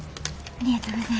ありがとうございます。